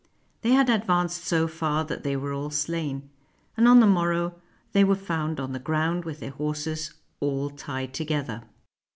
They had advanced so far that they were all slain ; and on the morrow they were found on the ground with their horses all tied together.